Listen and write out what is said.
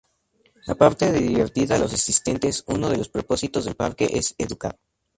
Aparte de divertir a los asistentes, uno de los propósitos del parque es educar.